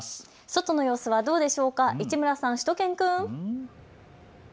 外の様子はどうでしょうか市村さん、しゅと犬くん。